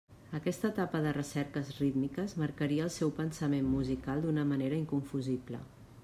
Aquesta etapa de recerques rítmiques marcaria el seu pensament musical d'una manera inconfusible.